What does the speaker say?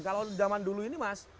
kalau zaman dulu ini mas